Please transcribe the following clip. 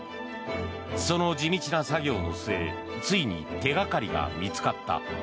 その地道な作業の末ついに手掛かりが見つかった。